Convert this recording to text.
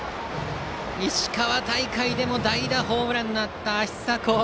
石川大会でも代打ホームランがあった芦硲。